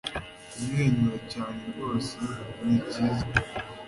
Kumwenyura cyane rwose ni byiza